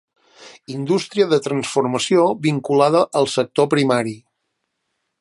Indústria de transformació vinculada al sector primari.